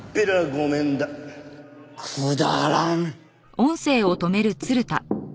くだらん！